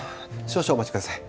少々お待ちください。